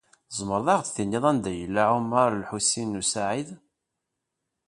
Tzemreḍ ad aɣ-d-tiniḍ anda yella Ɛumaṛ n Lḥusin u Saɛid?